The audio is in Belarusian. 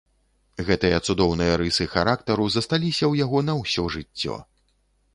Гэтыя цудоўныя рысы характару засталіся ў яго на ўсё жыццё.